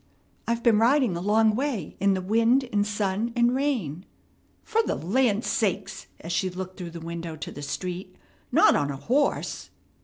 "I've been riding a long way in the wind and sun and rain." "Fer the land sakes!" as she looked through the window to the street. "Not on a horse?"